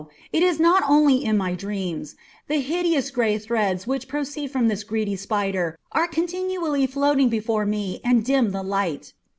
It is not only in my dreams; the hideous gray threads which proceed from this greedy spider are continually floating before me and dim the light."